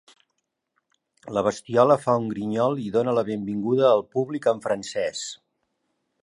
La bestiola fa un grinyol i dóna la benvinguda al públic en francès.